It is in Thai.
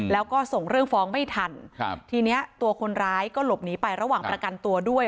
แล้วก็ส่งเรื่องฟ้องไม่ทันครับทีนี้ตัวคนร้ายก็หลบหนีไประหว่างประกันตัวด้วย